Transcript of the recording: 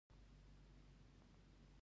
زموږ د کور کوچينان دباندي نه راوزي.